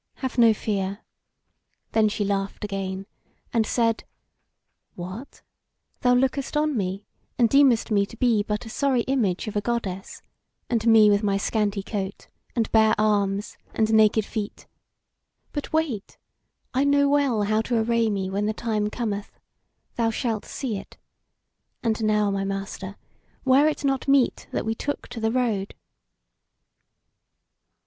Have no fear." Then she laughed again, and said: "What! thou lookest on me and deemest me to be but a sorry image of a goddess; and me with my scanty coat and bare arms and naked feet! But wait! I know well how to array me when the time cometh. Thou shalt see it! And now, my Master, were it not meet that we took to the road?"